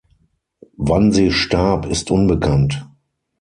Wann sie starb, ist unbekannt.